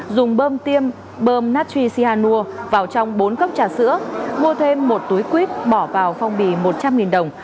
dùng bơm tiêm bơm natri sihanua vào trong bốn cốc trà sữa mua thêm một túi quyết bỏ vào phong bì một trăm linh đồng